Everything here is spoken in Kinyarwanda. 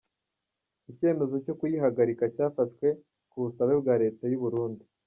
Icyemezo cyo kuyihagarika cyafashwe ku busabe bwa Leta y’u Burundi.